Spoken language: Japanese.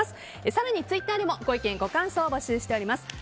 更にツイッターでもご意見、ご感想を募集しています。